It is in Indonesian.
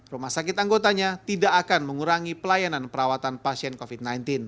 rumah sakit anggotanya tidak akan mengurangi pelayanan perawatan pasien covid sembilan belas